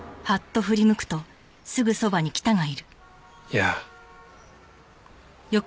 やあ。